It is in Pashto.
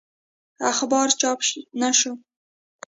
اخبار چاپ نه شو.